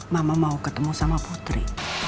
mama mau ketemu sama putri